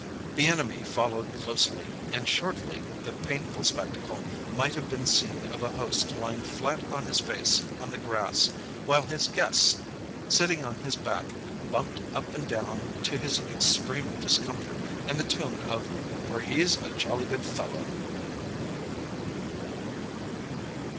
The enemy followed closely, and shortly the painful spectacle might have been seen of a host lying flat on his face on the grass, while his guests, sitting on his back, bumped up and down to his extreme discomfort and the tune of "For He's a Jolly Good Fellow!"